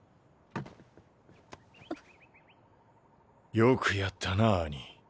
よくやったなアニ。